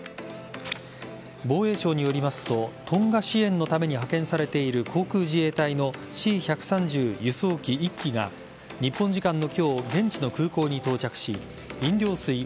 防衛省によりますとトンガ支援のために派遣されている航空自衛隊のＣ‐１３０輸送機１機が日本時間の今日現地の空港に到着し飲料水